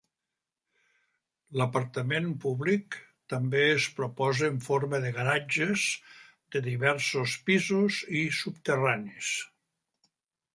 L'aparcament públic també es proposa en forma de garatges de diversos pisos i subterranis.